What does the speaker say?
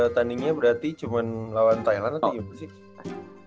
tandingnya berarti cuma lawan thailand atau gimana sih